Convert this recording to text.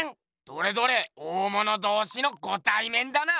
どれどれ大物同士のごたいめんだな。